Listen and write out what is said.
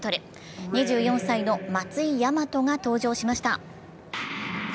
２４歳の松井大和が登場しました。